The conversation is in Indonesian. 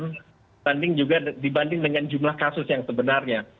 dibanding juga dibanding dengan jumlah kasus yang sebenarnya